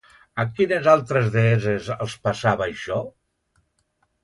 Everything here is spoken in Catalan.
A quines altres deesses els passava això?